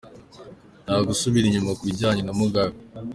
Nta gusubira inyuma ku bijyanye na Mugabe.